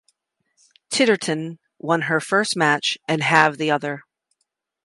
Titterton won her first match and halved the other.